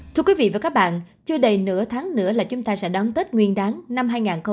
thưa quý vị và các bạn chưa đầy nửa tháng nữa là chúng ta sẽ đón tết nguyên đáng năm hai nghìn hai mươi bốn